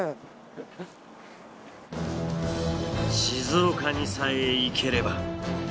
静岡にさえ行ければ。